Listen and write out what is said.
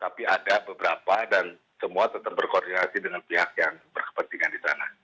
tapi ada beberapa dan semua tetap berkoordinasi dengan pihak yang berkepentingan di sana